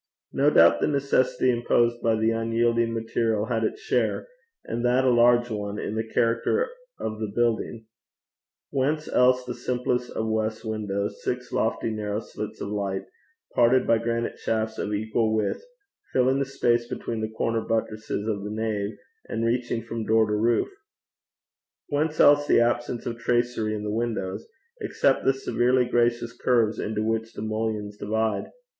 No doubt the necessity imposed by the unyielding material had its share, and that a large one, in the character of the building: whence else that simplest of west windows, seven lofty, narrow slits of light, parted by granite shafts of equal width, filling the space between the corner buttresses of the nave, and reaching from door to roof? whence else the absence of tracery in the windows except the severely gracious curves into which the mullions divide?